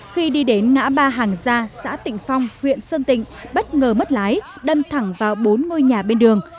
khi đi đến ngã ba hàng gia xã tịnh phong huyện sơn tịnh bất ngờ mất lái đâm thẳng vào bốn ngôi nhà bên đường